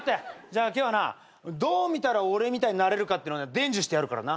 じゃあ今日はなどう見たら俺みたいになれるかって伝授してやるからな。